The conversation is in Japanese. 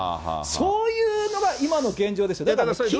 そういうのが、今の現状ですよ。